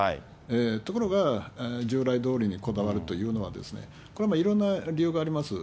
ところが、従来どおりにこだわるというのは、これはいろんな理由があります。